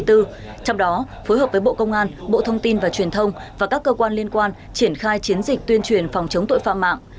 trong đó phối hợp với bộ công an bộ thông tin và truyền thông và các cơ quan liên quan triển khai chiến dịch tuyên truyền phòng chống tội phạm mạng